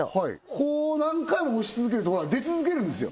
こう何回も押し続けると出続けるんですよ